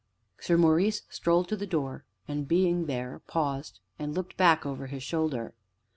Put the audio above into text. Sir Maurice strolled to the door, and, being there, paused, and looked back over his shoulder.